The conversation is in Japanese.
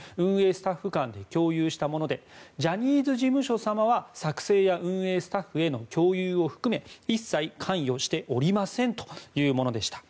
スタッフ間で共有したものでジャニーズ事務所様は、作成や運営スタッフへの共有を含め一切関与しておりませんというものでした。